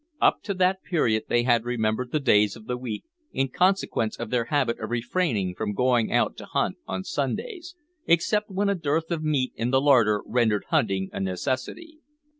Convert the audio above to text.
Up to that period they had remembered the days of the week, in consequence of their habit of refraining from going out to hunt on Sundays, except when a dearth of meat in the larder rendered hunting a necessity.